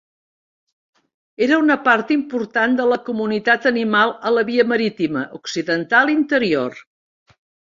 Era una part important de la comunitat animal a la Via Marítima Occidental Interior.